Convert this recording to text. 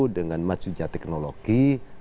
dengan maju teknologi